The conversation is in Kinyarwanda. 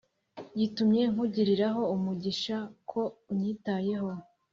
gitumye nkugiriraho umugisha ko unyitayeho